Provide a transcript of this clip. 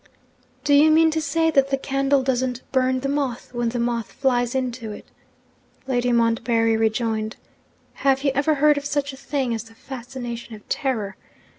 'Do you mean to say that the candle doesn't burn the moth, when the moth flies into it?' Lady Montbarry rejoined. 'Have you ever heard of such a thing as the fascination of terror?